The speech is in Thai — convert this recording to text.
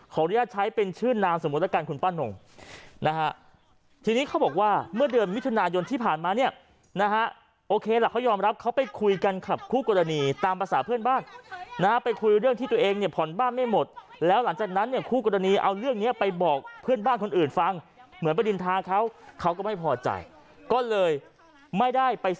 อนุญาตใช้เป็นชื่อนามสมมุติแล้วกันคุณป้านงนะฮะทีนี้เขาบอกว่าเมื่อเดือนมิถุนายนที่ผ่านมาเนี่ยนะฮะโอเคล่ะเขายอมรับเขาไปคุยกันขับคู่กรณีตามภาษาเพื่อนบ้านนะฮะไปคุยเรื่องที่ตัวเองเนี่ยผ่อนบ้านไม่หมดแล้วหลังจากนั้นเนี่ยคู่กรณีเอาเรื่องนี้ไปบอกเพื่อนบ้านคนอื่นฟังเหมือนประดินทาเขาเขาก็ไม่พอใจก็เลยไม่ได้ไป